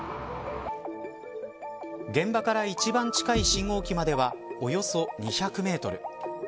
現場から一番近い信号機まではおよそ２００メートル。